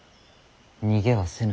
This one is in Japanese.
逃げはせぬ。